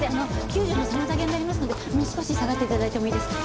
救助の妨げになりますのでもう少し下がって頂いてもいいですか？